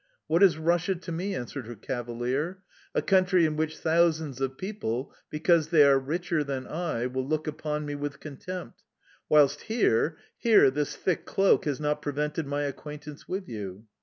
"What is Russia to me?" answered her cavalier. "A country in which thousands of people, because they are richer than I, will look upon me with contempt, whilst here here this thick cloak has not prevented my acquaintance with you"...